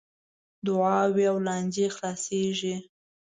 دعاوې او لانجې خلاصیږي .